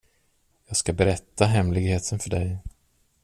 Jag ska berätta hemligheten för dig.